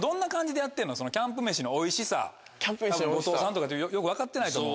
キャンプ飯のおいしさ多分後藤さんとかよく分かってないと思う。